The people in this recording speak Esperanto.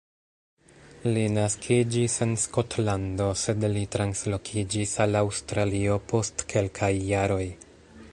Li naskiĝis en Skotlando sed li translokiĝis al Aŭstralio post kelkaj jaroj.